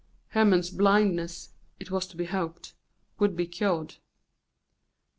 Hermon's blindness, it was to be hoped, would be cured.